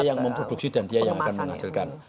yang memproduksi dan dia yang akan menghasilkan